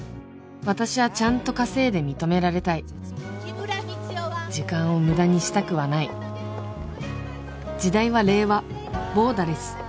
私はちゃんと稼いで認められたい時間をムダにしたくはない時代は令和ボーダーレス